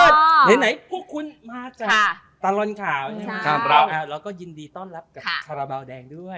เดี๋ยวไหนพวกคุณมาจากตลอดข่าวแล้วก็ยินดีต้อนรับกับคาราบาลแดงด้วย